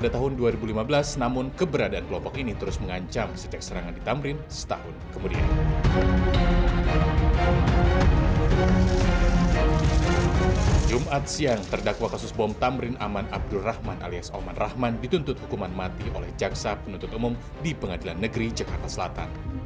jumat siang terdakwa kasus bom tamrin aman abdul rahman alias oman rahman dituntut hukuman mati oleh jaksa penuntut umum di pengadilan negeri jakarta selatan